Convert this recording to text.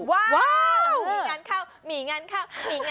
ว้าวมีงานเข้ามีงานเข้ามีงาน